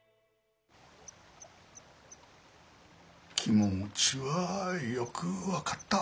気持ちはよく分かった。